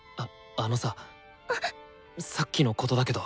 あのささっきのことだけど。